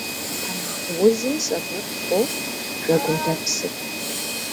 Тэмакъ узым сэбэп хуохъу жэгундэпсыр.